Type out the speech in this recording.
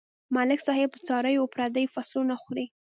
ملک صاحب په څارويو پردي فصلونه خوري.